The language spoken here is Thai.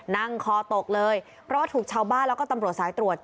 นั่งคอตกเลยเพราะว่าถูกชาวบ้านแล้วก็ตำรวจสายตรวจ